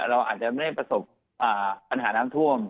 เราอาจจะไม่ได้ประสบปัญหาน้ำท่วม